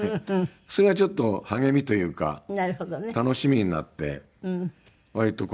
それがちょっと励みというか楽しみになって割とこう。